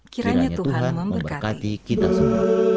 kiranya tuhan memberkati kita semua